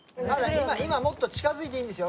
今もっと近づいていいんですよ。